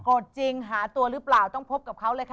จริงหาตัวหรือเปล่าต้องพบกับเขาเลยค่ะ